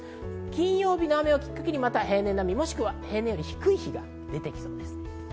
金曜日の雨をきっかけに平年並み、もしくは平年より低くなる日が出てきそうです。